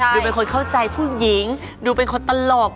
ดูเป็นคนเข้าใจผู้หญิงดูเป็นคนตลก